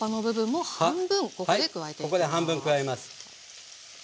はいここで半分加えます。